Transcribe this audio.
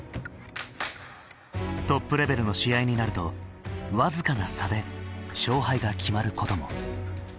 トップレベルの試合になると僅かな差で勝敗が決まることも。